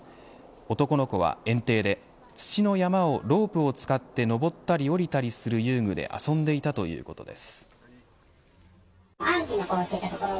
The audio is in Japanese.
男の子は園庭で土の山をロープを使って登ったり下りたりする遊具で遊んでいたということです。